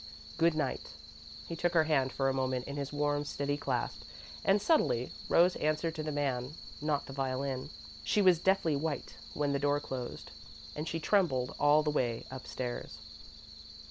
"Good night." He took her hand for a moment, in his warm, steady clasp, and subtly, Rose answered to the man not the violin. She was deathly white when the door closed, and she trembled all the way up stairs.